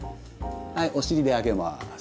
はいお尻で上げます。